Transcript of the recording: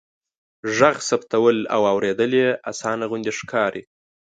ږغ ثبتول او اوریدل يې آسانه غوندې ښکاري.